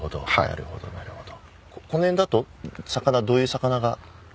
なるほどなるほど。